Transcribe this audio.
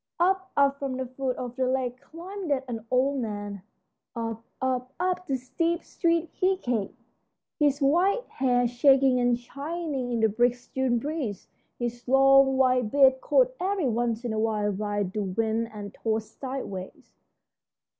Up, up from the foot of the lake climbed an old man; up, up, up the steep street he came, his white hair shaking and shining in the brisk June breeze, his long, white beard caught every once in a while by the wind and tossed sideways.